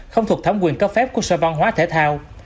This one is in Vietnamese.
không thuộc thấm quyền cấp phép của sở văn hóa thể thao